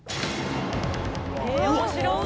え面白い！